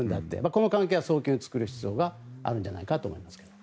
この関係は早急に作る必要があるんじゃないかと思いますが。